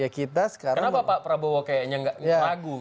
kenapa pak prabowo kayaknya nggak ragu